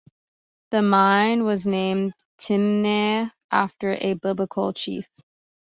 The mine was named Timnah after a Biblical chief.